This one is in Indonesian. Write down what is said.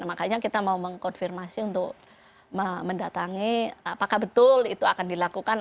makanya kita mau mengkonfirmasi untuk mendatangi apakah betul itu akan dilakukan